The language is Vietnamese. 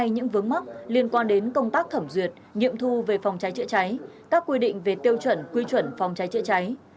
nhiệm thu về phòng trái chữa cháy các quy định về tiêu chuẩn quy chuẩn phòng trái chữa cháy